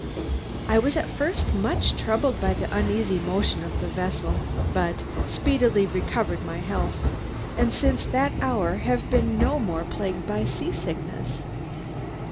I was at first much troubled by the uneasy motion of the vessel, but speedily recovered my health, and since that hour have been no more plagued by sea sickness.